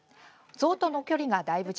ゾウとの距離がだいぶ